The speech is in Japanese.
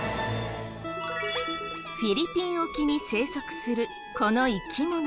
フィリピン沖に生息するこの生き物。